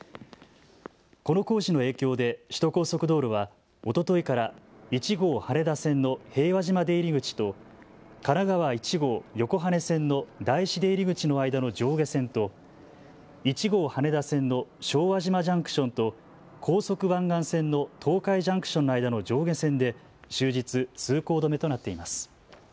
この工事の影響で首都高速道路はおとといから１号羽田線の平和島出入口と神奈川１号横羽線の大師出入口の間の上下線と１号羽田線の昭和島ジャンクションと高速湾岸線の東海ジャンクションの間の上下線で終日通行止めとなっています。